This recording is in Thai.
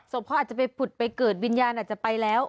เขาอาจจะไปผุดไปเกิดวิญญาณอาจจะไปแล้ว